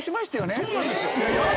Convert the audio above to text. そうなんですよ。